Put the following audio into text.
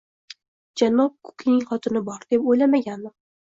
Janob Kukining xotini bor, deb o`ylamagandim